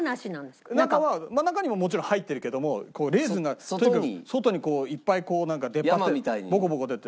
中はまあ中にももちろん入ってるけどもレーズンがとにかく外にいっぱいこうなんか出っ張ってボコボコ出て。